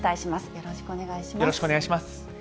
よろしくお願いします。